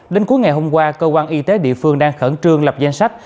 đến cuối ngày hôm qua cơ quan y tế địa phương đang khẩn trương lập danh sách